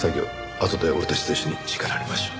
あとで俺たちと一緒に叱られましょう。